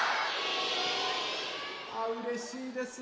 あうれしいですね。